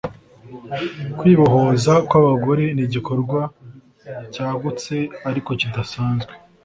Kwibohoza kwabagore nigikorwa cyagutse ariko kidasanzwe